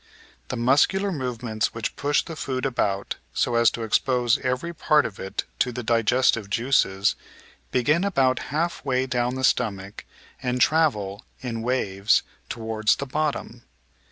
The muscular movements which push the food about, so as to expose every part of it to the digestive juices, begin about half way down the stomach and travel, in waves, towards the bottom.